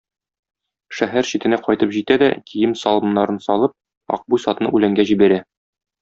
Шәһәр читенә кайтып җитә дә, кием-салымнарын салып, Акбүз атны үләнгә җибәрә.